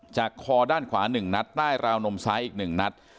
คอด้านขวา๑นัดใต้ราวนมซ้ายอีก๑นัด